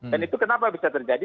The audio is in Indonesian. dan itu kenapa bisa terjadi